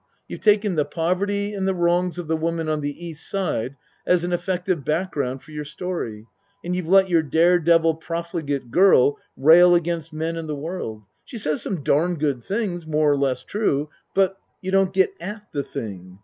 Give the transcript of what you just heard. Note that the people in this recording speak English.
You've taken the poverty and the wrongs of the woman on the East Side as an effective back ground for your story, and you've let your dare devil profligate girl rail against men and the world. She says some darn good things more or less true but you don't get at the thing.